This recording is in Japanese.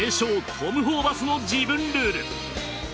トム・ホーバスの自分ルール。